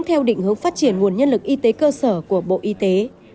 theo định hướng phát triển nguồn nhân lực y tế cơ sở của bộ y tế